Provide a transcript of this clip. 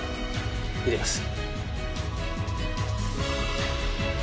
入れます。